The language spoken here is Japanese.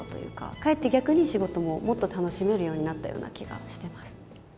かえって逆に仕事も、もっと楽しめるようになった気がしてます。